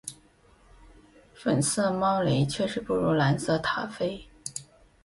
粉色猫雷确实不如蓝色塔菲